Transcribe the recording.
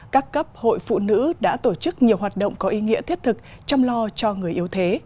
các cấp hội phụ nữ đã tổ chức nhiều hoạt động có ý nghĩa thiết thực chăm lo cho người yếu thế